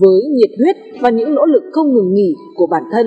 với nhiệt huyết và những nỗ lực không ngừng nghỉ của bản thân